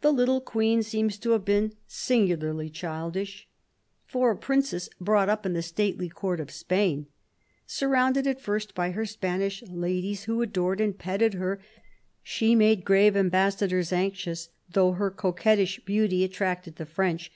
The little Queen seems to have been singularly childish, for a princess brought up in the stately Court of Spain. Surrounded at first by her Spanish ladies, who adored and petted her, she made grave ambassadors anxious, though her coquettish beauty attracted the French.